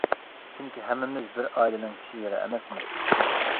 چۈنكى ھەممىمىز بىر ئائىلىنىڭ كىشىلىرى ئەمەسمۇ؟ !